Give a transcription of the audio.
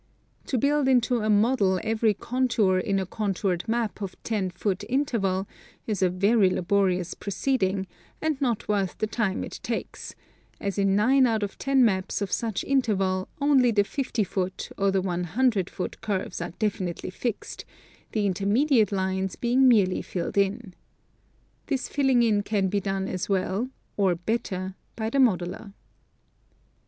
To build into a model every 260 National Geographic Magazine. contour in a contoured map of ten foot intei'val is a very labori ous proceeding, and not worth the time it takes, as in nine out of ten maps of such interval only the fifty foot or the one hundred foot curves are definitely fixed, the intermediate lines being merely filled in. This filling in can be done as well, or better, by the modeler.